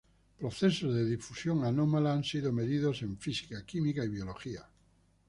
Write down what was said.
Procesos de difusión anómala han sido medidos en física, química y biología.